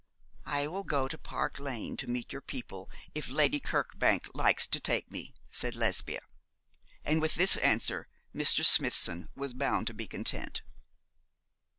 'I will go to Park Lane to meet your people, if Lady Kirkbank likes to take me,' said Lesbia; and with this answer Mr. Smithson was bound to be content.